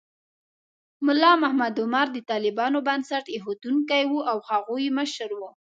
ملا محمد عمر د طالبانو بنسټ ایښودونکی و او د هغوی مشر و.